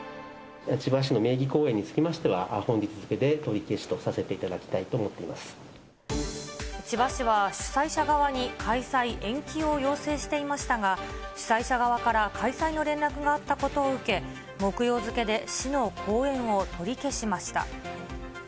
千葉市の名義後援につきましては、本日付で取り消しとさせて千葉市は主催者側に開催延期を要請していましたが、主催者側から開催の連絡があったことを受け、木曜付けで市の後援を取り消しました。